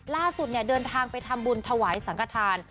เดินทางไปทำบุญถวายสังกฐาน